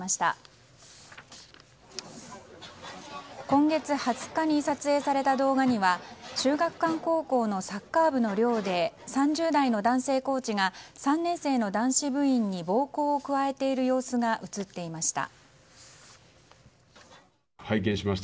今月２０日に撮影された動画には秀岳館高校のサッカー部の寮で３０代の男性コーチが３年生の男子部員に暴行を加えている様子が映っていました。